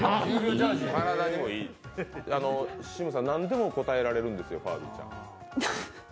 シムさん、何でも答えられるんですよ、ファービーちゃん。